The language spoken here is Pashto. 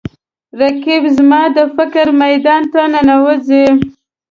رقیب زما د فکر میدان ته ننوتی دی